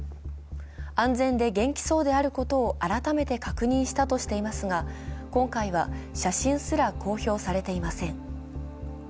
安全で元気そうであることを改めて確認したとしていますが、今回は写真すら公表されていません。